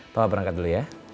papa berangkat dulu ya